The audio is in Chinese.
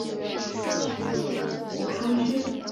埃斯莫里斯是葡萄牙阿威罗区的一个堂区。